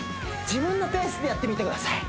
自分のペースでやってみてください